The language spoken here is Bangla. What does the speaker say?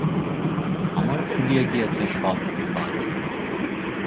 আমার খুলিয়া গিয়াছে সব বাঁধ।